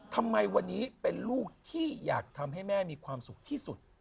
ทำไมวันนี้เป็นลูกที่อยากทำให้แม่มีความสุขที่สุด